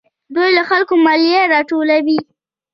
دوی له خلکو مالیه راټولوي.